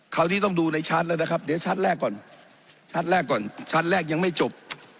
คราวนี้ต้องดูในชาร์จเลยนะครับเดี๋ยวชาร์จแรกก่อนชาร์จแรกยังไม่จบ